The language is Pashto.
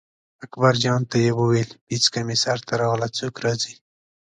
اکبرجان ته یې وویل پیڅکه مې سر ته راغله څوک راځي.